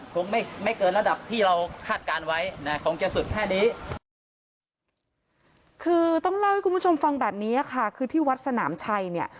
คงไม่เกินระดับที่เราคาดการณ์ไว้คงจะสุดแค่นี้